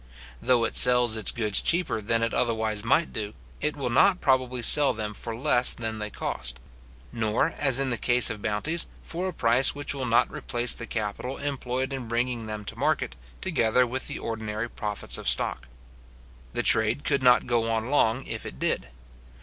Though it sells its goods cheaper than it otherwise might do, it will not probably sell them for less than they cost; nor, as in the case of bounties, for a price which will not replace the capital employed in bringing them to market, together with the ordinary profits of stock. The trade could not go on long if it did.